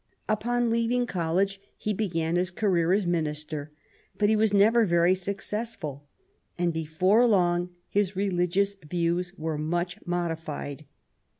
Upon leaving college he began his career as minister, but he was never very successful, and before long his religious views were much modified.